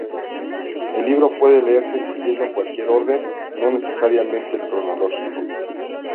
El libro puede leerse siguiendo cualquier orden, no necesariamente el cronológico.